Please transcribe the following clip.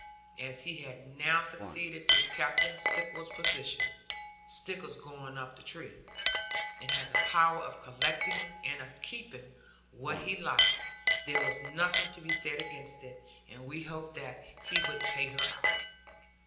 As he had now succeeded to Captain Stickle's position (Stickles going up the tree), and had the power of collecting, and of keeping, what he liked, there was nothing to be said against it; and we hoped that he would pay her out.